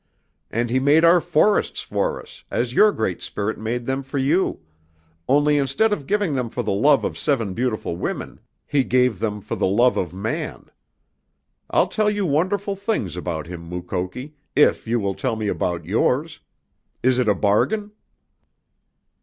And He made our forests for us, as your Great Spirit made them for you, only instead of giving them for the love of seven beautiful women He gave them for the love of man. I'll tell you wonderful things about Him, Mukoki, if you will tell me about yours. Is it a bargain?"